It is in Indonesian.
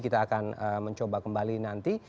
kita akan mencoba kembali nanti